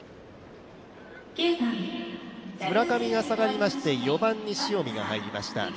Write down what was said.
村上が下がりまして、４番に塩見が入りました。